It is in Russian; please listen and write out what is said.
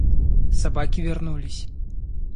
Собаки вернулись.